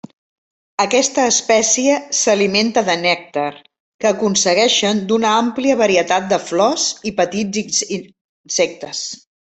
Aquesta espècie s'alimenta de nèctar, que aconsegueixen d'una àmplia varietat de flors, i petits insectes.